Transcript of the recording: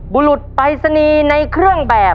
บุรุษปรายศนีย์ในเครื่องแบบ